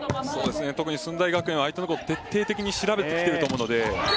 特に駿台学園は相手を徹底的に調べてきていると思うので。